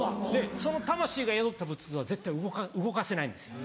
その魂が宿った仏像は絶対動かせないんですよ。